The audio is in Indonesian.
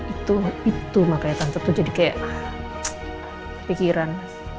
itu itu makanya tante tuh jadi kayak pikiran